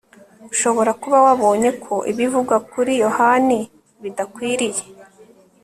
ushobora kuba wabonye ko ibivugwa kuri yohani bidakwiriye